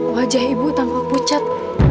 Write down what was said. wajah ibu tampak pucat